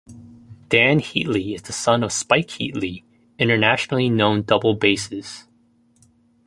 Dan Heatley is the son of Spike Heatley, internationally known double bassist.